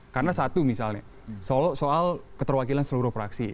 karena satu misalnya soal keterwakilan seluruh fraksi